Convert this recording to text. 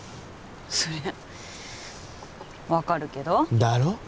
そりゃ分かるけどだろ？